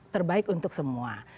terbaik untuk semua